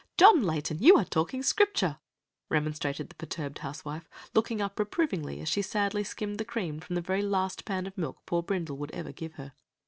"John Layton, you are talking Scripture!" remonstrated the perturbed housewife, looking up reprovingly as she sadly skimmed the cream from the very last pan of milk poor Brindle would ever give her.